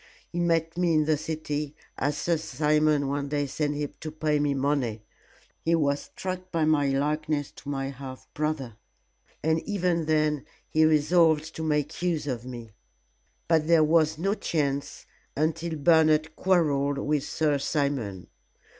He met me in the city, as Sir Simon one day sent him to pay me money. He was struck by my likeness to my half brother, and even then he resolved to make use of me. But there was no chance until Bernard quarrelled with Sir Simon.